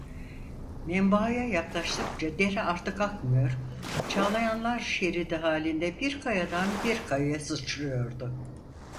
Menbaa yaklaştıkça dere artık akmıyor, çağlayanlar şeridi halinde, bir kayadan bir kayaya sıçrıyordu.